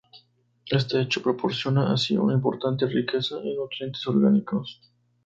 Este hecho proporciona así una importante riqueza en nutrientes orgánicos.